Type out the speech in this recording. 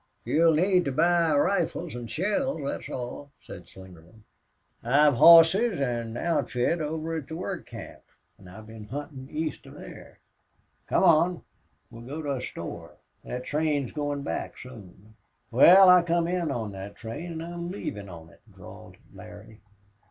"You'll need to buy rifles an' shells, thet's all," said Slingerland. "I've hosses an' outfit over at the work camp, an' I've been huntin' east of thar. Come on, we'll go to a store. Thet train's goin' back soon." "Wal, I come in on thet train an' now I'm leavin' on it," drawled Larry.